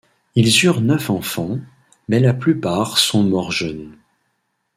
Ils eurent neuf enfants, mais la plupart sont morts jeunes.